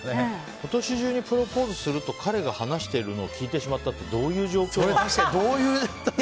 今年中にプロポーズすると彼が話しているのを聞いてしまったってどういう状況なの？